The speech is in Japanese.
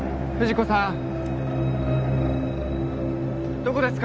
どこですか？